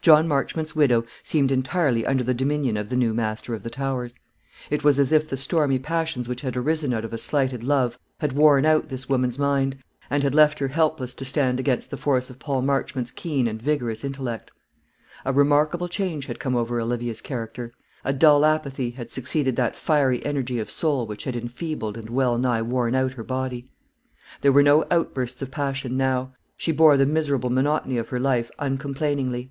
John Marchmont's widow seemed entirely under the dominion of the new master of the Towers. It was as if the stormy passions which had arisen out of a slighted love had worn out this woman's mind, and had left her helpless to stand against the force of Paul Marchmont's keen and vigorous intellect. A remarkable change had come over Olivia's character. A dull apathy had succeeded that fiery energy of soul which had enfeebled and well nigh worn out her body. There were no outbursts of passion now. She bore the miserable monotony of her life uncomplainingly.